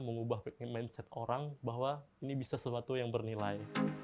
mengubah mindset orang bahwa ini bisa sesuatu yang bernilai